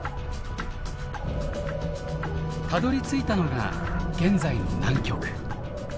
たどりついたのが現在の南極。